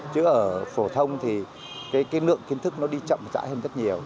chứ ở phổ thông thì cái lượng kiến thức nó đi chậm trãi hơn rất nhiều